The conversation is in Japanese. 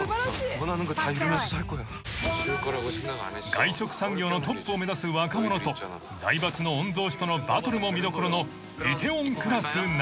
［外食産業のトップを目指す若者と財閥の御曹司とのバトルも見どころの『梨泰院クラス』など］